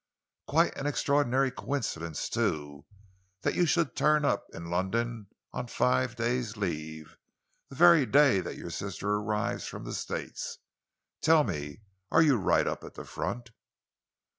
"Quite an extraordinary coincidence, too, that you should turn up in London on five days' leave, the very day that your sister arrives from the States. Tell me, are you right up at the front?"